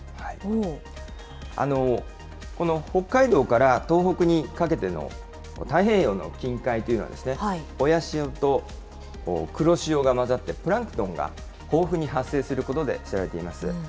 この北海道から東北にかけての太平洋の近海というのは、親潮と黒潮が混ざって、プランクトンが豊富に発生することで知られています。